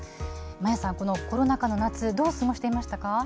マヤさん、このコロナ禍の夏どのように過ごしていましたか。